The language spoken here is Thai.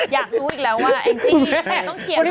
อยากรู้อีกแล้วว่าแองจี้ต้องเขียน